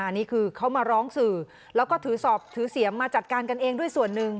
นี่คือเขามาร้องสื่อแล้วก็ถือสอบถือเสียงมาจัดการกันเองด้วยส่วนหนึ่ง